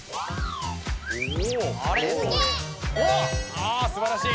あすばらしい。